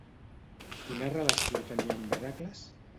Quina relació tenia amb Hèracles?